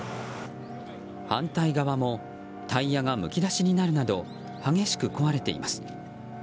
反対側もタイヤがむき出しになるなど激しく壊れています。